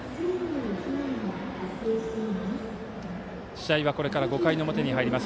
試合はこれから５回表に入ります。